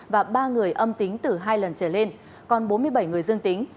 và ba người âm tính từ hai lần trở lên còn bốn mươi bảy người dương tính